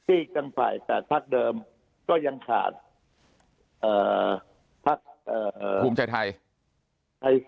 อีกลงภายแต่ภาคเดิมก็ยังหาดภักด์ภูมิใจไทย